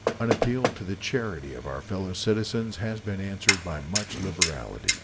An appeal to the charity of our fellow citizens has been answered by much liberality.